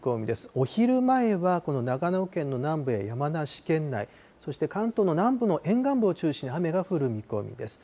お昼前はこの長野県の南部や山梨県内、そして関東の南部の沿岸部を中心に雨が降る見込みです。